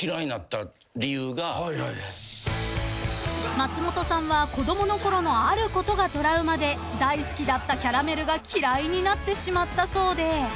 ［松本さんは子供のころのあることがトラウマで大好きだったキャラメルが嫌いになってしまったそうで］